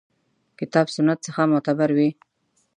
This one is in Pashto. کتاب سنت څخه معتبر وي.